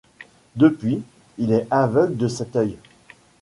Depuis, il est aveugle de cet œil.